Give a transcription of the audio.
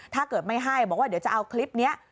ถ้าเกิดไม่ให้บอกว่าเดี๋ยวจะเอาคลิปนี้